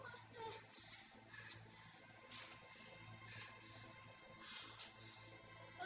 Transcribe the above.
mau jadi kayak gini sih salah buat apa